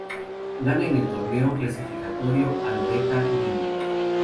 Gana en el torneo clasificatorio a Loretta Lynn.